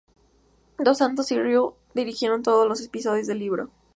Dos Santos y Ryu dirigieron todos los episodios del libro.